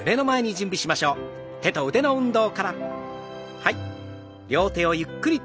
はい。